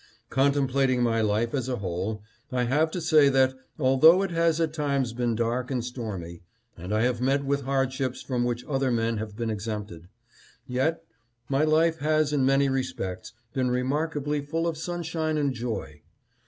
Contem plating my life as a whole, I have to say that, although it has at times been dark and stormy, and I have met with hardships from which other men have been exempted, yet my life has in many respects been remarkably full of sunshine and joy.